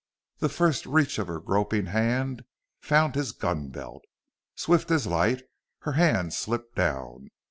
The first reach of her groping hand found his gun belt. Swift as light her hand slipped down.